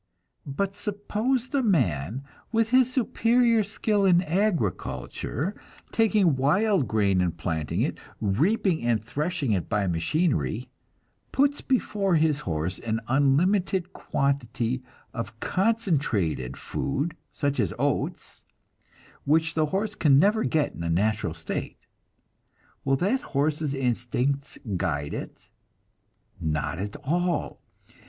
But suppose the man, with his superior skill in agriculture, taking wild grain and planting it, reaping and threshing it by machinery, puts before his horse an unlimited quantity of a concentrated food such as oats, which the horse can never get in a natural state will that horse's instincts guide it? Not at all.